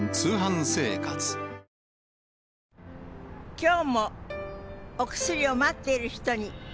今日もお薬を待っている人に。